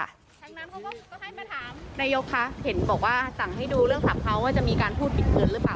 ทั้งนั้นเขาก็ให้มาถามนายกคะเห็นบอกว่าสั่งให้ดูเรื่องศัพเขาว่าจะมีการพูดผิดเกินหรือเปล่า